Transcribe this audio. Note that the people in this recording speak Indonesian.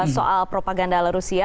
soal propaganda ala rusia